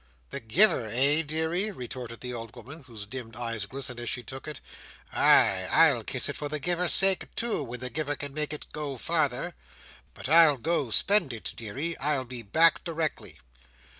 "The giver, eh, deary?" retorted the old woman, whose dimmed eyes glistened as she took it. "Ay! I'll kiss it for the giver's sake, too, when the giver can make it go farther. But I'll go spend it, deary. I'll be back directly."